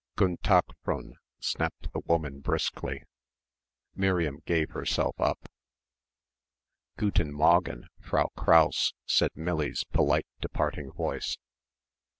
"Gun' Tak' Fr'n," snapped the woman briskly. Miriam gave herself up. "Gooten Mawgen, Frau Krause," said Millie's polite departing voice.